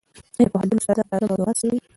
ایا د پوهنتون استادان تازه موضوعات څېړي؟